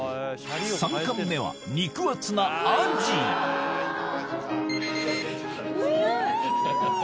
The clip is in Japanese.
３貫目は肉厚なうん！